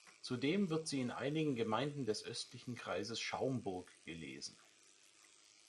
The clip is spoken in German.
Zudem wird sie in einigen Gemeinden des östlichen Kreises Schaumburg gelesen.